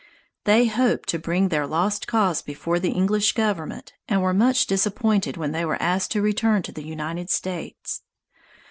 They hoped to bring their lost cause before the English government and were much disappointed when they were asked to return to the United States.